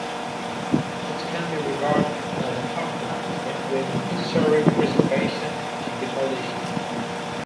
It can be regarded as a compromise between historic preservation and demolition.